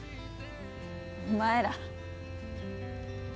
お前ら。